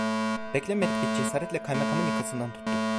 Beklenmedik bir cesaretle kaymakamın yakasından tuttu.